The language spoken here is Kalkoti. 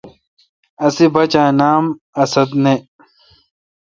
اسے°باچا اے°نام اسد نہ۔